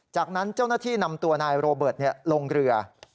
จากนั้นเจ้าหน้าที่นำตัวนายโรเบิร์ตลงเรือ